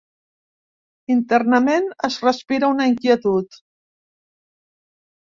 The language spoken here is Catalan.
Internament es respira una inquietud.